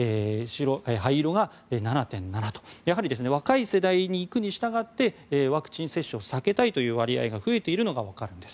灰色が７．７と若い世代に行くにしたがってワクチン接種を避けたい割合が増えているのが分かるんです。